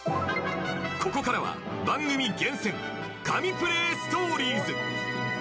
ここからは、番組厳選神プレーストーリーズ。